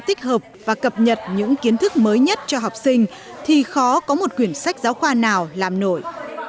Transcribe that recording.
tích hợp và cập nhật những kiến thức mới nhất cho học sinh thì khó có một quyển sách giáo khoa nào làm nổi